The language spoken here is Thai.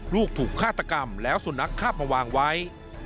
ลูกถูกฆาตกรรมและสุนัขฆาตมาวางไว้